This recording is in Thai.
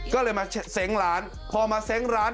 ก็เลยมาเซ้งร้านพอมาเซ้งร้าน